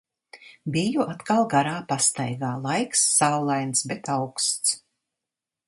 Biju atkal garā pastaigā, laiks saulains, bet auksts.